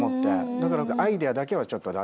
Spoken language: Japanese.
だからアイデアだけはちょっと出して。